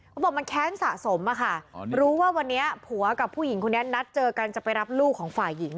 เขาบอกมันแค้นสะสมอะค่ะรู้ว่าวันนี้ผัวกับผู้หญิงคนนี้นัดเจอกันจะไปรับลูกของฝ่ายหญิง